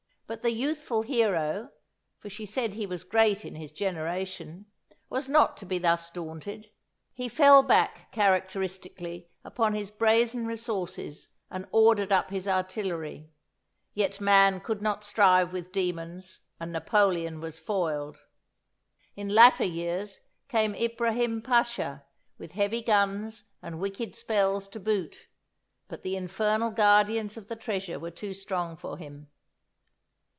But the youthful hero (for she said he was great in his generation) was not to be thus daunted; he fell back, characteristically, upon his brazen resources, and ordered up his artillery; yet man could not strive with demons, and Napoleon was foiled. In latter years came Ibrahim Pasha, with heavy guns and wicked spells to boot, but the infernal guardians of the treasure were too strong for him.